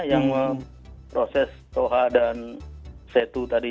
yang proses toha dan setu tadi ya